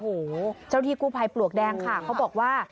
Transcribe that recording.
โอ้โหเจ้าที่กู้ภัยปลวกแดงค่ะเขาบอกว่า